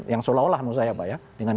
yang seolah olah menurut saya pak ya